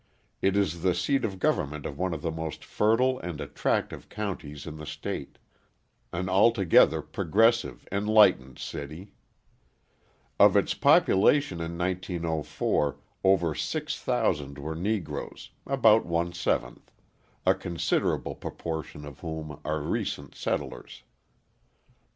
It is the seat of government of one of the most fertile and attractive counties in the state: an altogether progressive, enlightened city. Of its population in 1904 over 6,000 were Negroes (about one seventh), a considerable proportion of whom are recent settlers.